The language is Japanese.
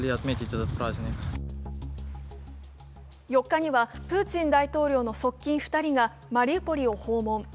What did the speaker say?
４日には、プーチン大統領の側近２人がマリウポリを訪問。